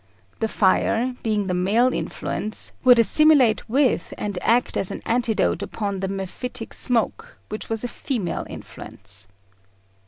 The fire, being the male influence, would assimilate with and act as an antidote upon the mephitic smoke, which was a female influence.